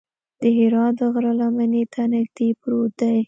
د حرا د غره لمنې ته نږدې پروت دی.